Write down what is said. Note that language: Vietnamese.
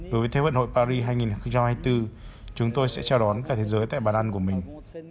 với thế vận hội paris hai nghìn hai mươi bốn chúng tôi sẽ chào đón cả thế giới tại bàn ăn của mình